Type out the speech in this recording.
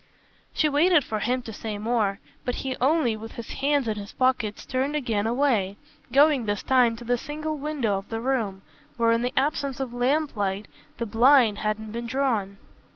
She waited for him to say more, but he only, with his hands in his pockets, turned again away, going this time to the single window of the room, where in the absence of lamplight the blind hadn't been drawn.